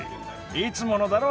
いつものだろ？